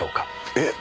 えっ。